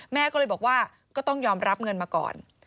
แม่ก็เลยบอกว่าก็ต้องยอมรับเงินมาก่อน